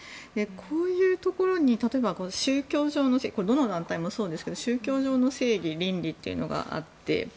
こういうところに例えば宗教上のどの団体もそうですけど宗教上の正義、倫理があって。